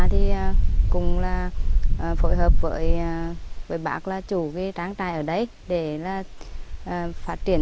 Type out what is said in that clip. thì cùng là phối hợp với bác là chủ cái tráng tài ở đấy để là phát triển